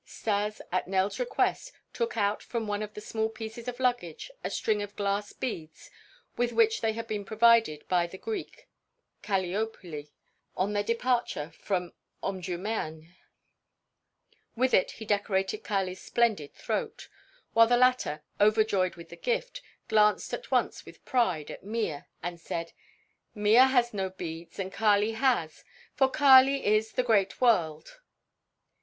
Stas, at Nell's request, took out from one of the small pieces of luggage a string of glass beads with which they had been provided by the Greek, Kaliopuli, on their departure from Omdurmân; with it he decorated Kali's splendid throat; while the latter, overjoyed with the gift, glanced at once with pride at Mea and said: "Mea has no beads and Kali has, for Kali is 'the great world.'"